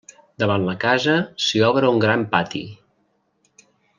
Davant la casa s'hi obra un gran pati.